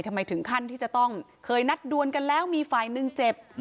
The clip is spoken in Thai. ถึงขั้นที่จะต้องเคยนัดดวนกันแล้วมีฝ่ายหนึ่งเจ็บ